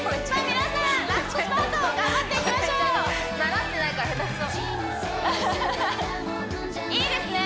皆さんラストスパート頑張っていきましょう習ってないから下手くそいいですね